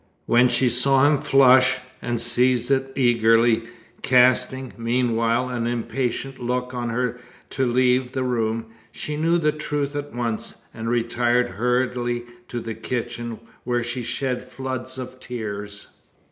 When she saw him flush and seize it eagerly, casting, meanwhile, an impatient look on her to leave the room, she knew the truth at once, and retired hurriedly to the kitchen, where she shed floods of tears.